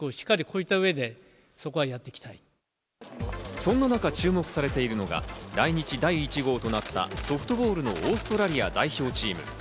そんな中、注目されているのが来日第１号となったソフトボールのオーストラリア代表チーム。